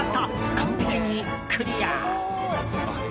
完璧にクリア！